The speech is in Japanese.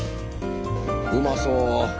うまそう！